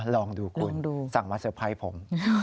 ลองดูคุณสั่งมาเตอร์ไพรส์ผม